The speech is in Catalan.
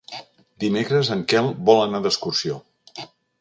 Dimecres en Quel vol anar d'excursió.